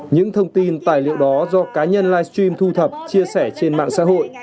những thông tin tài liệu đó do cá nhân live stream thu thập chia sẻ trên mạng xã hội